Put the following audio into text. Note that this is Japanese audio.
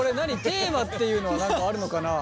テーマっていうのは何かあるのかな？